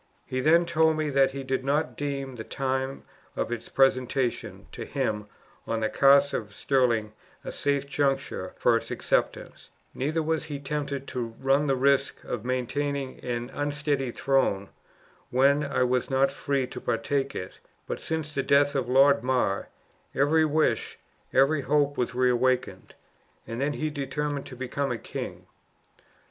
Be then told me, that he did not deem the time of its presentation to him on the Carse of Stirling a safe juncture for its acceptance; neither was he tempted to run the risk of maintaining an unsteady throne when I was not free to partake it; but since the death of Lord Mar, every wish, every hope was re awakened; and then he determined to become a king.